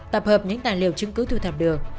tập hợp những tài liệu chứng cứ thu thập được